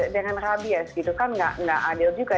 dengan rabies gitu kan nggak adil juga